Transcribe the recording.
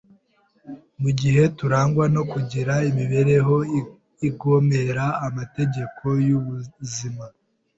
mu gihe turangwa no kugira imibereho igomera amategeko y’ubuzima